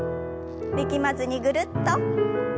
力まずにぐるっと。